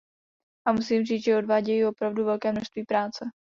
A musím říct, že odvádějí opravdu velké množství práce.